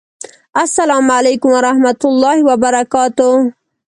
السلام علیکم ورحمة الله وبرکاته